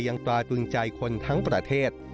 ตราดุลใจคนทั้งประเทศ